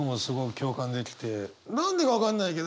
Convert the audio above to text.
何でか分かんないけど